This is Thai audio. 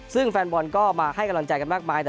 ซึ่งแฟนบอลก็มาให้กำลังใจกันมากมาย